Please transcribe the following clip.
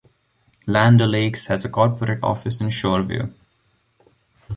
Land O'Lakes has a corporate office in Shoreview.